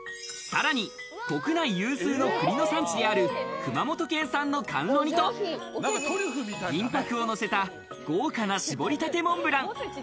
さらに国内有数の栗の産地である熊本県産の甘露煮と、銀箔をのせた豪華な絞りたてモンブラン。